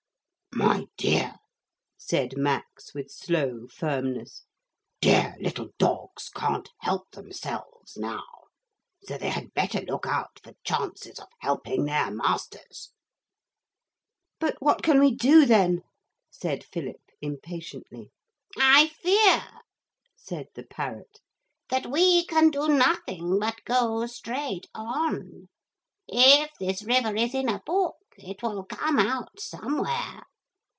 'My dear,' said Max with slow firmness, 'dear little dogs can't help themselves now. So they had better look out for chances of helping their masters.' 'But what can we do, then?' said Philip impatiently. 'I fear,' said the parrot, 'that we can do nothing but go straight on. If this river is in a book it will come out somewhere.